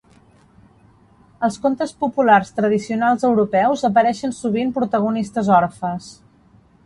Als contes populars tradicionals europeus apareixen sovint protagonistes orfes.